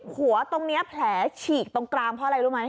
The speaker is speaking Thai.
หัวตรงนี้แผลฉีกตรงกลางเพราะอะไรรู้ไหม